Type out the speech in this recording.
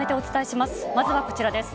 まずはこちらです。